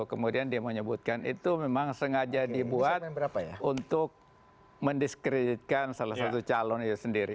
kemudian dia menyebutkan itu memang sengaja dibuat untuk mendiskreditkan salah satu calon itu sendiri